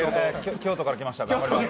京都から来ました。